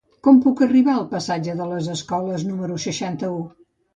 Com puc arribar al passatge de les Escoles número seixanta-u?